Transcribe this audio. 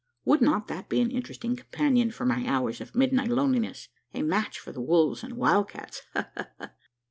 Would not that be an interesting companion for my hours of midnight loneliness? A match for the wolves and wild cats! Ha! ha! ha!"